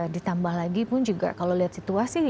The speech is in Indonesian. ditambah lagi pun juga kalau lihat situasi